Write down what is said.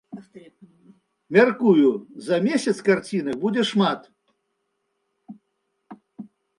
Мяркую, за месяц карцінак будзе шмат.